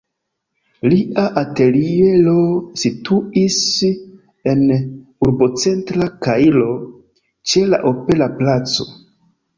Lia ateliero situis en urbocentra Kairo, ĉe la opera placo.